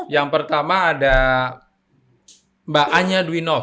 yang pertama ada mbak anya dwinov